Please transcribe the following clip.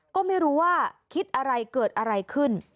ก็ไม่รู้ว่าคิดอะไรเกิดอะไรขึ้น